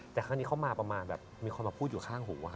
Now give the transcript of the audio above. แต่ครั้งนี้เขามาประมาณแบบมีคนมาพูดอยู่ข้างหู